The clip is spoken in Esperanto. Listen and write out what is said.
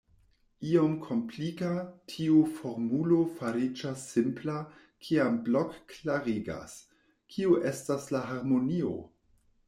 Iom komplika, tiu formulo fariĝas simpla, kiam Blok klarigas: Kio estas la harmonio?